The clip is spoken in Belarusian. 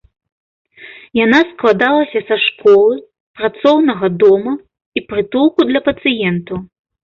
Яна складалася са школы, працоўнага дома і прытулку для пацыентаў.